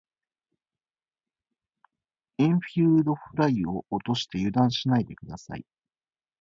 インフィールドフライを落として油断しないで下さい。